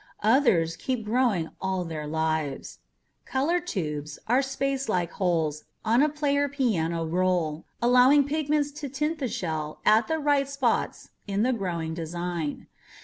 Others keep growing all their lives. Color tubes are spaced like holes on a player piano roll allowing pigments to tint the shell at the right spots in the growing design.